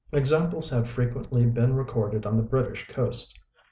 Examples have frequently been recorded on the British coasts.